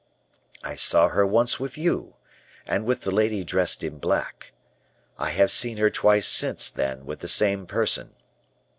I saw her once with you, and with the lady dressed in black. I have seen her twice since then with the same person.